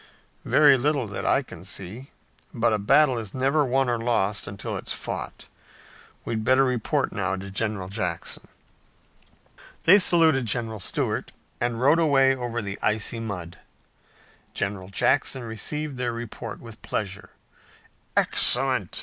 "Very little that I can see, but a battle is never won or lost until it's fought. We'd better report now to General Jackson." They saluted General Stuart, and rode away over the icy mud. General Jackson received their report with pleasure. "Excellent!